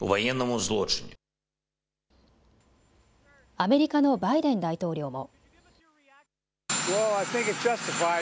アメリカのバイデン大統領も。